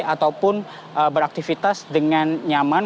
ataupun beraktifitas dengan nyaman